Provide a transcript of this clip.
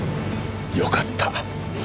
よかった。